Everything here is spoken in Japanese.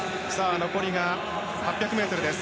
残りが８００ｍです。